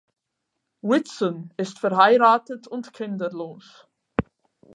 Whitson ist verheiratet und kinderlos.